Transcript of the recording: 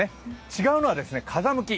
違うのは風向き。